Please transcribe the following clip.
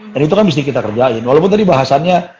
dan itu kan bisa kita kerjain walaupun tadi bahasanya